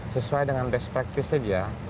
sesuai dengan best practice saja